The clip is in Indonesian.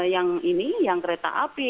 yang ini yang kereta api